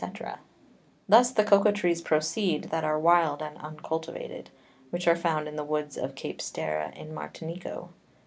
_ Thus the Cocao Trees proceed, that are wild and uncultivated, which are found in the Woods of Cape Sterre in Martinico.